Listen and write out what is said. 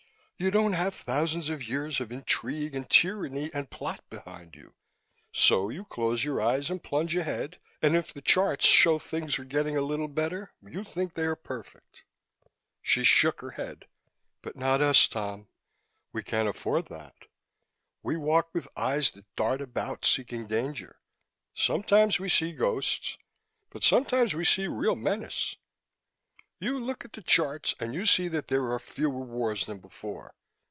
You don't have thousands of years of intrigue and tyranny and plot behind you, so you close your eyes and plunge ahead, and if the charts show things are getting a little better, you think they are perfect." She shook her head. "But not us, Tom. We can't afford that. We walk with eyes that dart about, seeking danger. Sometimes we see ghosts, but sometimes we see real menace. You look at the charts and you see that there are fewer wars than before.